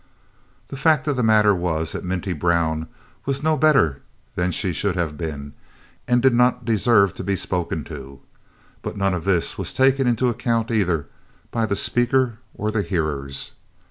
The fact of the matter was that Minty Brown was no better than she should have been, and did not deserve to be spoken to. But none of this was taken into account either by the speaker or the hearers.